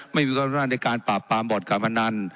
ไม่มีความสามารถในการปรับปรามบอร์ดการพนัน